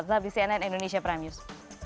tetapi cnn indonesia prime news